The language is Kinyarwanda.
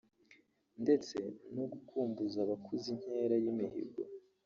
ndetse no gukumbuza abakuze inkera y’imihigo”